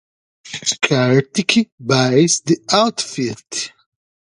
Kartik buys the outfit.